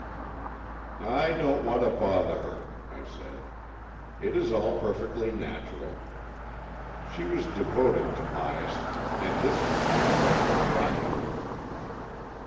" I don't want to bother her," I said. " It is all perfectly natural. She was devoted to Myas, and this must be a terrible shock to her."